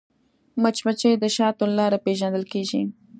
مچمچۍ د شاتو له لارې پیژندل کېږي